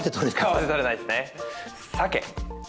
川で取れないですね。